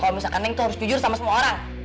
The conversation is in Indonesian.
kalo misalkan neng tuh harus jujur sama semua orang